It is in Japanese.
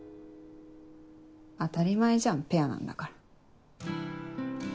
当たり前じゃんペアなんだから。